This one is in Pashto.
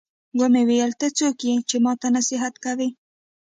ومې ويل ته څوک يې چې ما ته نصيحت کوې.